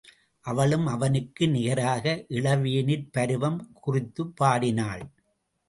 அவளும் அவனுக்கு நிகராக இளவேனிற்பருவம் குறித்துப் பாடினாள்.